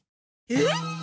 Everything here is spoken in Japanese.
えっ！？